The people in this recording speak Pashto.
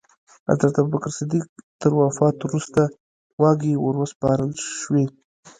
حضرت ابوبکر صدیق تر وفات وروسته واګې وروسپارل شوې.